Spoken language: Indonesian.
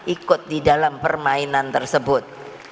ikut di dalam permainan tersebut